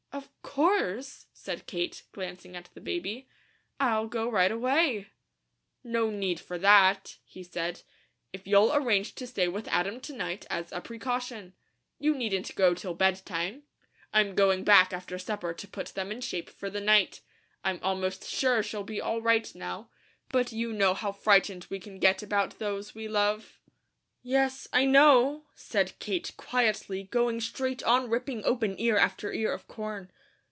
"Of course," said Kate, glancing at the baby. "I'll go right away!" "No need for that," he said, "if you'll arrange to stay with Adam to night, as a precaution. You needn't go till bed time. I'm going back after supper to put them in shape for the night. I'm almost sure she'll be all right now; but you know how frightened we can get about those we love." "Yes, I know," said Kate, quietly, going straight on ripping open ear after ear of corn.